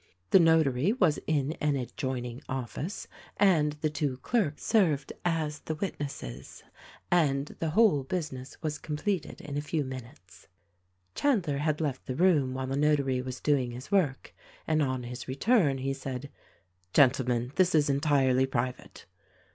The Notary was in an adjoining office and the two clerks THE RECORDING ANGEL 159 served as the witnesses, and the whole business was com pleted in a few minutes. Chandler had left the room while the Notary was doing his work, and on his return he said: "Gentlemen, this is en tirely private."